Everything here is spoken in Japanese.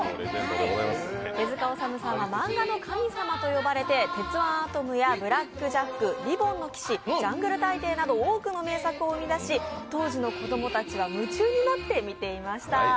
手塚治虫さんは漫画の神様と呼ばれて「鉄腕アトム」や「ブラック・ジャック」、「リボンの騎士」「ジャングル大帝」など多くの名作を生み出し当時の子供たちは夢中になって見ていました。